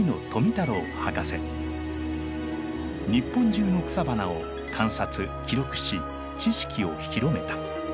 日本中の草花を観察記録し知識を広めた。